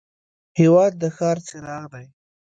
هېواد د ښار څراغ دی.